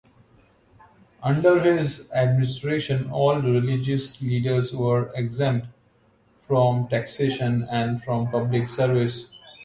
Under his administration, all religious leaders were exempt from taxation and from public service.